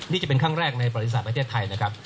นี่จะเป็นครั้งแรกในบริษัทประเทศไทยนะครับ